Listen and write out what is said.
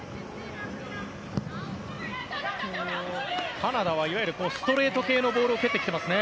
カナダはいわゆるストレート系のボールを蹴ってきていますね。